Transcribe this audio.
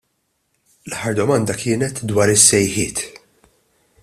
L-aħħar domanda kienet dwar is-sejħiet.